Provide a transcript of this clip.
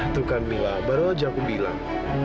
tuh kan mila baru aja aku bilang